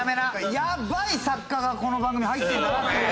やばい作家がこの番組入ってるんだなっていう。